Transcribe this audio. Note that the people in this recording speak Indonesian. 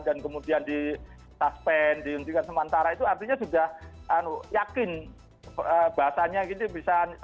dan kemudian di taspend diuntikan sementara itu artinya sudah yakin bahasanya ini bisa